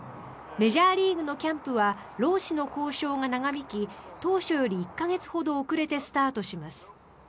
メジャーリーグのキャンプは労使の交渉が長引き当初より１か月ほど遅れてスタートします。